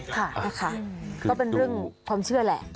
ค่ะนะคะก็เป็นเรื่องความเชื่อแหละ